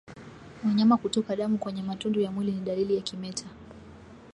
Wanyama kutoka damu kwenye matundu ya mwili ni dalili ya kimeta